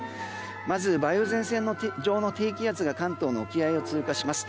まず梅雨前線上の低気圧が関東の沖合を通過します。